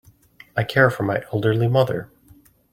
I care for my elderly mother.